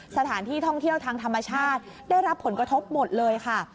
สถานที่ท่องเที่ยวทางธรรมชาติได้รับผลกระทบหมดเลยค่ะ